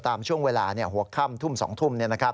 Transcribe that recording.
ตามช่วงเวลาหัวค่ำทุ่ม๒ทุ่ม